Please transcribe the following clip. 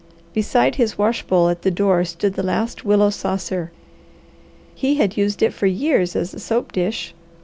Beside his wash bowl at the door stood the last willow saucer. He had used it for years as a soap dish.